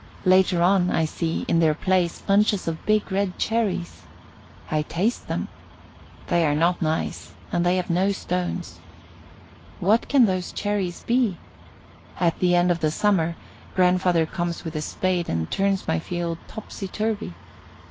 Later on, I see, in their place, bunches of big red cherries. I taste them. They are not nice and they have no stones. What can those cherries be? At the end of the summer, grandfather comes with a spade and turns my field topsy turvy.